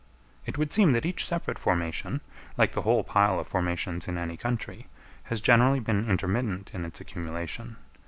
It would seem that each separate formation, like the whole pile of formations in any country, has generally been intermittent in its accumulation.